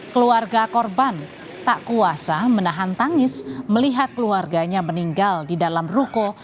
keluarga korban tak kuasa menahan tangis melihat keluarganya meninggal di dalam ruko